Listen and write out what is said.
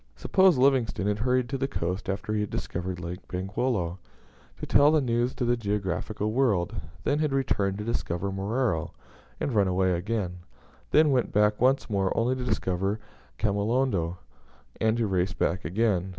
Suppose Livingstone had hurried to the coast after he had discovered Lake Bangweolo, to tell the news to the geographical world; then had returned to discover Moero, and run away again; then went back once more only to discover Kamolondo, and to race back again.